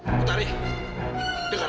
maksud kamuentric ber